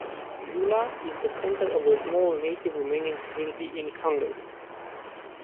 Gyula is the center of the small native Romanian community in Hungary.